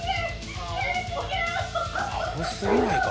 アホすぎないか？